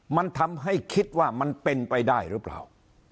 มันทำให้คิดว่ามันเป็นไปได้หรือเปล่า